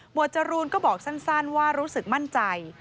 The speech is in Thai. จรูนก็บอกสั้นว่ารู้สึกมั่นใจ